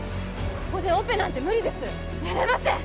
ここでオペなんて無理ですやれません